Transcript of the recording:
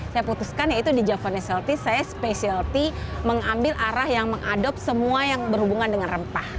saya putuskan yaitu di javanese healthy saya specialty mengambil arah yang mengadopt semua yang berhubungan dengan rempah ya